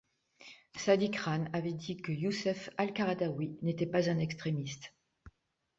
Sadiq Khan avait dit qu'Youssef al-Qaradâwî n'était pas un extrémiste.